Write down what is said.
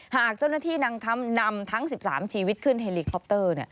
หากเจ้าหน้าที่นำทั้ง๑๓ชีวิตขึ้นเฮลิคอปเตอร์